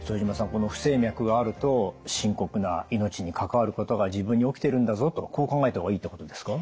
この不整脈があると深刻な命に関わることが自分に起きているんだぞとこう考えた方がいいということですか？